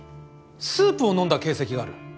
スープを飲んだ形跡がある。